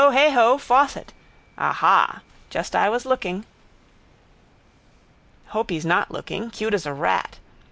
Heigho! Fawcett. Aha! Just I was looking... Hope he's not looking, cute as a rat.